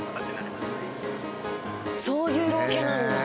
そういう色分けなんや。